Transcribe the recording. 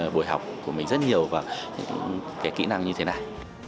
buổi học của mình rất nhiều và những kỹ năng như thế này